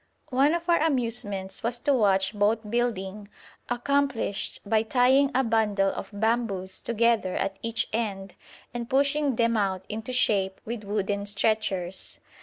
One of our amusements was to watch boat building accomplished by tying a bundle of bamboos together at each end and pushing them out into shape with wooden stretchers.